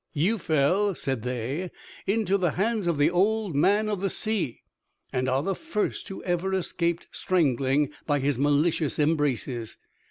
"You fell," said they, "into the hands of the Old Man of the Sea, and are the first who ever escaped strangling by his malicious embraces.